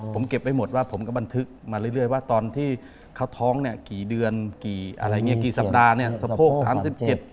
ผมเก็บไปหมดว่าผมก็บันทึกมาเรื่อยว่าตอนที่เขาท้องเนี่ยกี่เดือนกี่อะไรเนี่ยกี่สัปดาห์เนี่ย